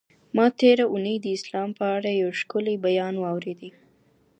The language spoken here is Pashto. ما تېره اونۍ د اسلام په اړه یو ښکلی بیان واورېدی.